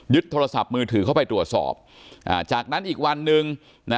โทรศัพท์มือถือเข้าไปตรวจสอบจากนั้นอีกวันหนึ่งนะ